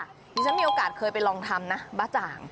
ดิฉันมีโอกาสเคยไปลองทำนะบ้าจ่าง